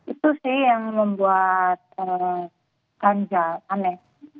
itu sih yang membuat ganja aneh